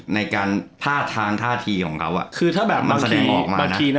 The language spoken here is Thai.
ในการผ้าทางท่าทีของเขาอ่ะคือถ้าแบบบางทีบางทีน่ะ